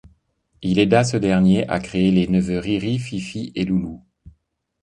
Il aida ce dernier à créer les neveux Riri, Fifi et Loulou.